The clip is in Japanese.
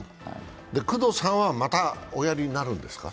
工藤さんはまたおやりになるんですか？